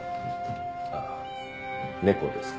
ああ猫ですか。